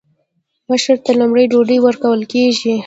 مشر ته لومړی ډوډۍ ورکول کیږي.